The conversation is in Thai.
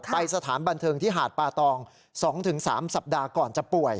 สถานบันเทิงที่หาดปาตอง๒๓สัปดาห์ก่อนจะป่วย